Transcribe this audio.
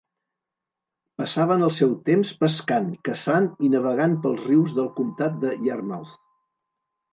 Passaven el seu temps pescant, caçant i navegant pels rius del comtat de Yarmouth.